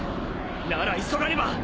なら急がねば！